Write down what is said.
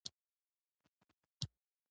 ځینو خلکو په لاسونو کې وړې لوحې وې.